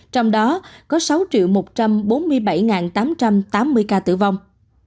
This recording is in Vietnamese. trong đó có sáu một trăm bốn mươi bảy tám trăm tám mươi ca tử vong